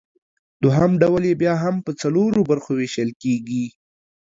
دوهم ډول یې بیا هم پۀ څلورو برخو ویشل کیږي